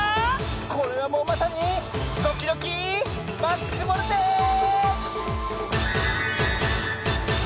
これはもうまさにドキドキマックスボルテージ！